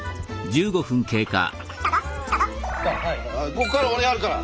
ここから俺やるから！